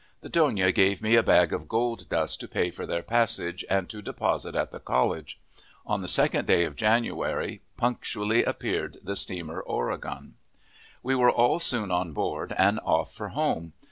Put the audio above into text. The dona gave me a bag of gold dust to pay for their passage and to deposit at the college. On the 2d day of January punctually appeared the steamer Oregon. We were all soon on board and off for home.